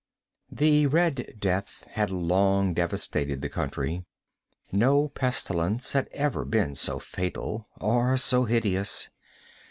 The "Red Death" had long devastated the country. No pestilence had ever been so fatal, or so hideous.